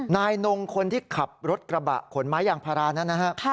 นายนงคนที่ขับรถกระบะขนไม้ยางพารานั้นนะฮะ